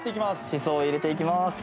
しそを入れていきます。